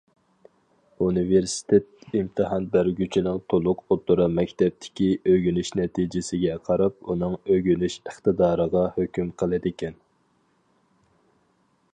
ئۇنىۋېرسىتېت ئىمتىھان بەرگۈچىنىڭ تولۇق ئوتتۇرا مەكتەپتىكى ئۆگىنىش نەتىجىسىگە قاراپ ئۇنىڭ ئۆگىنىش ئىقتىدارىغا ھۆكۈم قىلىدىكەن.